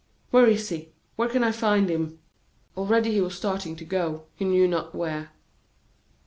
Where is he? Where can I find him?" Already he was starting to go, he knew not where.